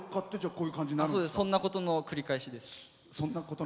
そんなことの繰り返しです。